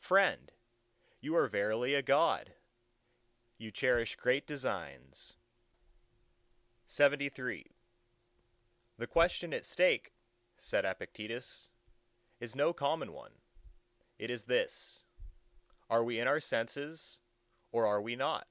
"Friend, you are verily a God! you cherish great designs." LXXIV "The question at stake," said Epictetus, "is no common one; it is this:—_Are we in our senses, or are we not?